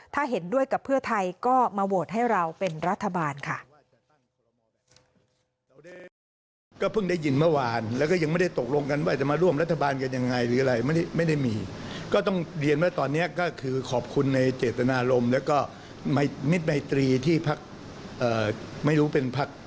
ถ้าเห็นด้วยกับเพื่อไทยก็มาโหวตให้เราเป็นรัฐบาลค่ะ